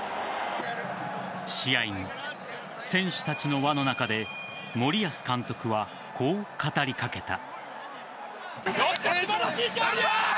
試合後、選手たちの輪の中で森保監督はこう語りかけた。